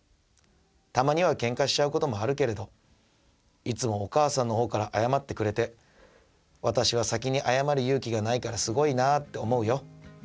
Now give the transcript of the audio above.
たまにはけんかしちゃうこともあるけれどいつもお母さんのほうから謝ってくれて私は先に謝る勇気がないからすごいなあって思うよ。